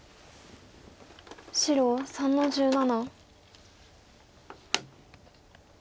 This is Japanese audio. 白３の十七。